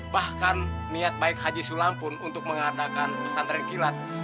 bahkan niat baik haji sulam pun untuk mengadakan pesantren kilat